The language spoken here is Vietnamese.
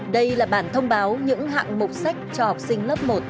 đây là bản thông báo những hạng mục sách cho học sinh lớp một